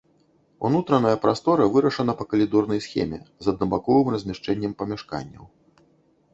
Унутраная прастора вырашана па калідорнай схеме з аднабаковым размяшчэннем памяшканняў.